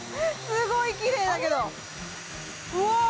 すごいきれいだけどうわ！